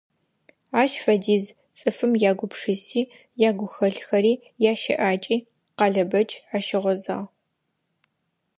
Ащ фэдиз цӀыфым ягупшыси, ягухэлъхэри, ящыӀакӀи Къалэбэч ащыгъозагъ.